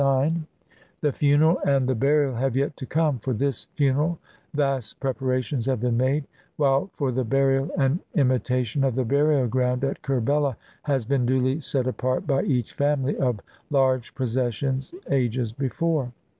211 INDIA The funeral and the burial have yet to come; for this funeral vast preparations have been made, while for the burial, an imitation of the burial ground at Kerbela has been duly set apart by each family of large possessions ages before.